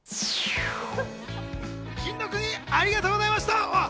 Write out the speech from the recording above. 金の国、ありがとうございました。